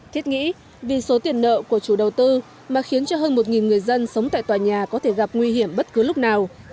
thiết nghĩ vì số tiền nợ của chủ đầu tư mà khiến cho hơn một người dân sống tại tòa nhà có thể gặp nguy hiểm bất cứ lúc nào